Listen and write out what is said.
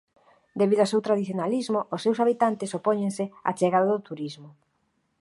Debido ao seu tradicionalismo os seus habitantes opóñense á chegada do turismo.